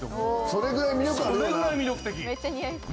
それぐらい魅力あるよな？